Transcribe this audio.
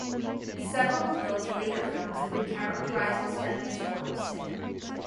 Several of Hill's later films have been characterized as feminist works.